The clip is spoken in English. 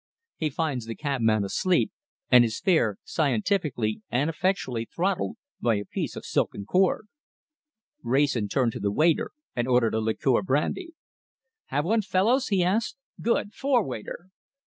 He finds the cabman asleep, and his fare scientifically and effectually throttled by a piece of silken cord." Wrayson turned to the waiter and ordered a liqueur brandy. "Have one, you fellows?" he asked. "Good! Four, waiter."